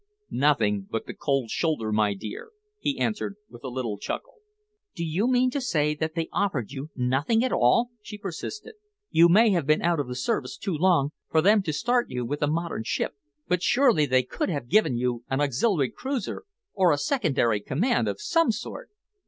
"Nothing but the cold shoulder, my dear," he answered with a little chuckle. "Do you mean to say that they offered you nothing at all?" she persisted. "You may have been out of the service too long for them to start you with a modern ship, but surely they could have given you an auxiliary cruiser, or a secondary command of some sort?"